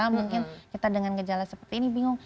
mungkin kita dengan gejala seperti ini bingung